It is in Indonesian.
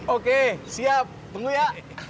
oke siap tunggu ya